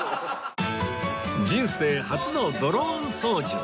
人生初のドローン操縦